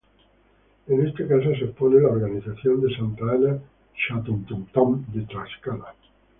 En este caso se expone la organización de Santa Ana Chiautempan, Tlaxcala.